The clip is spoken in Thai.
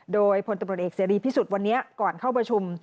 โดยพลตำรวจเอกเสรีพิสุทธิ์วันนี้ก่อนเข้าประชุม